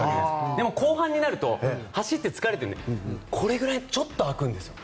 でも、後半になると走って疲れてるのでこれぐらいちょっと空くんです。